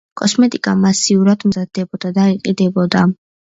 კოსმეტიკა მასიურად მზადდებოდა და იყიდებოდა.